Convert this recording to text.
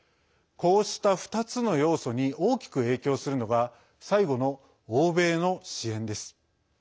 こうした２つの要素に大きく影響するのが最後の、欧米の支援です。